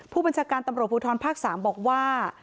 ผู้บัญชาการตำรวจภูทรภาค๓บอกว่า